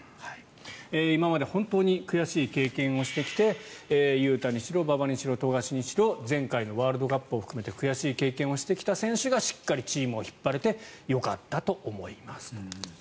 今まで本当に悔しい経験をしてきて雄太にしろ馬場にしろ富樫にしろ前回のワールドカップを含めて悔しい思いをしてきた選手がしっかりチームを引っ張れてよかったと思いますと。